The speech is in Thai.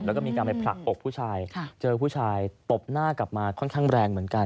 แล้วก็มีการไปผลักอกผู้ชายเจอผู้ชายตบหน้ากลับมาค่อนข้างแรงเหมือนกัน